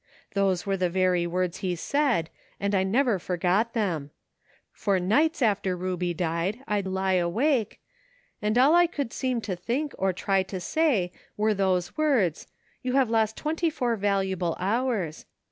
Those were the very words he said, and I never forgot them. For nights after Ruble died I'd lie awake, and all I could seem to think or try to say were those words, ' You have lost twenty four valuable hours.'